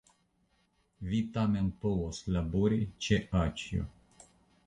Vi tamen povos labori ĉe aĉjo.